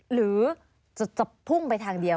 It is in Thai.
หรือจะพุ่งไปทางเดียว